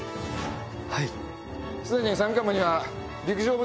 はい。